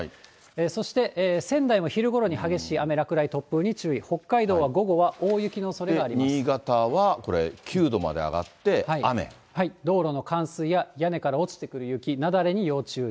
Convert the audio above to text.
そして仙台も昼ごろに激しい雨、落雷、突風に注意、北海道は午後新潟はこれ、９度まで上がっ道路の冠水や屋根から落ちてくる雪、雪崩に要注意。